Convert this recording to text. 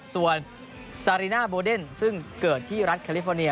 ส่วนซาริน่าโบเดนซึ่งเกิดที่รัฐแคลิฟอร์เนีย